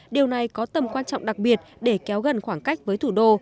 điều này có tầm quan trọng đặc biệt để kéo gần khoảng cách với thủ đô